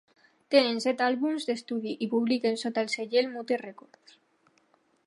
Tenen set àlbums d'estudi i publiquen sota el segell Mute Records.